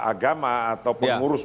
agama ataupun urus